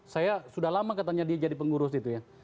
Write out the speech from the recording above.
saya sudah lama katanya dia jadi pengurus itu ya